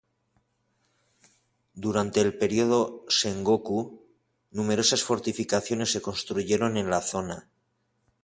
Durante la periodo Sengoku, numerosas fortificaciones se construyeron en la zona.